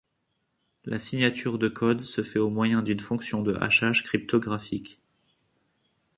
La signature de code se fait au moyen d’une fonction de hachage cryptographique.